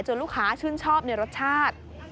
ลูกค้าชื่นชอบในรสชาติ